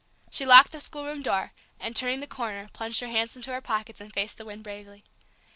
She locked the schoolroom door, and, turning the corner, plunged her hands into her pockets, and faced the wind bravely.